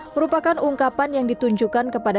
merupakan ungkapan yang ditunjukkan kepada